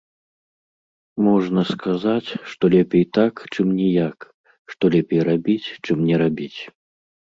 Можна сказаць, што лепей так, чым ніяк, што лепей рабіць, чым не рабіць.